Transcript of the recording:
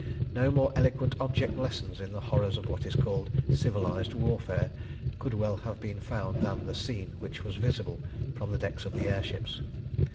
No more eloquent object lesson in the horrors of what is called civilised warfare could well have been found than the scene which was visible from the decks of the air ships.